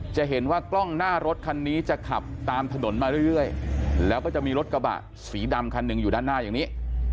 จะเห็นว่ากล้องหน้ารถคันนี้จะขับตามถนนมาเรื่อยแล้วก็จะมีรถกระบะสีดำคันหนึ่งอยู่ด้านหน้าอย่างนี้